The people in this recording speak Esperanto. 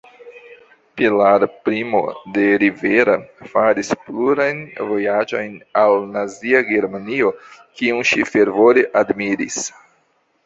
Pilar Primo de Rivera faris plurajn vojaĝojn al Nazia Germanio, kiun ŝi fervore admiris.